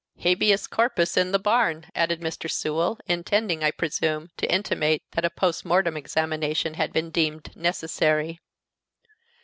Habeas corpus in the barn," added Mr. Sewell, intending, I presume, to intimate that a post mortem examination had been deemed necessary.